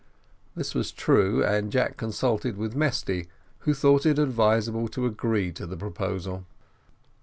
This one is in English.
This was true; and Jack consulted with Mesty, who thought it advisable to agree to the proposal.